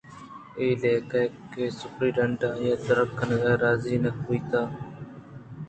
اےلیکہ کہ سپرنٹنڈنٹ آئی ءِ درکنگ ءَ راضی نہ بیت